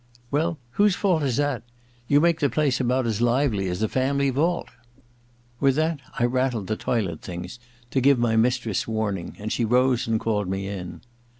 • Well — ^whose fault is that } You make the place about as lively as the family vault ' With that I rattled the toilet things, to give my mistress warning, and she rose and called me in.